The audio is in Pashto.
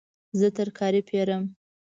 زه ترکاري پیرم